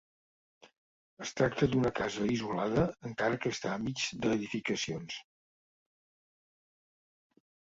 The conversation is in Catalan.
Es tracta d'una casa isolada, encara que està enmig d'edificacions.